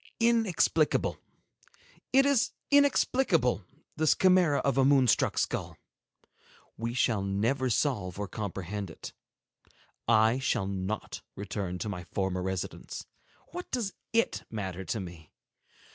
Inexplicable! It is inexplicable, this chimera of a moon struck skull! We shall never solve or comprehend it. I shall not return to my former residence. What does it matter to me?